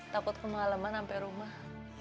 takut pengalaman sampai rumah